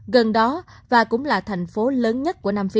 gần đó và cũng là thành phố lớn nhất của nam phi